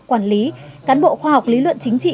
quản lý cán bộ khoa học lý luận chính trị